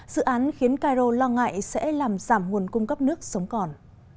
dự án khiến cairo lo ngại sẽ làm giảm nguồn cung cấp nước sống còn